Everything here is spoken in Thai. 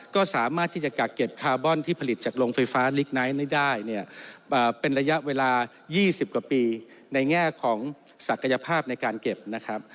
ก็สามารถที่จะกักเก็บคาร์บอนที่ผลิตจากโรงไฟฟ้าลิกไนท์นี้ได้เนี่ยเป็นระยะเวลา๒๐กว่าปีในแง่ของศักยภาพในการเก็บนะครับ